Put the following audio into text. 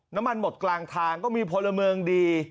น้ำมันหมดกลางทางก็มีพลเมืองดี